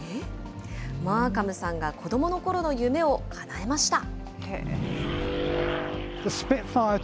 マーカムさんが子どものころの夢をかなえました。